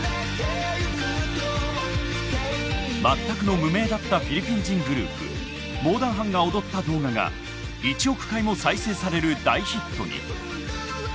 全くの無名だったフィリピン人グループ猛男版が踊った動画が１億回も再生される大ヒットに。